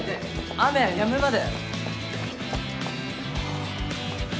雨やむまで。